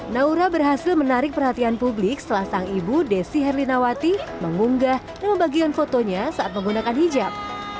naura berhasil menarik perhatian publik setelah sang ibu desi herlinawati mengunggah dan membagikan fotonya saat menggunakan hijab